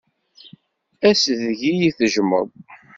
Ass deg iyi-tejjmeḍ.